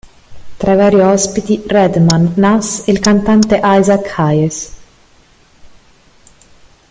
Tra i vari ospiti Redman, Nas e il cantante Isaac Hayes.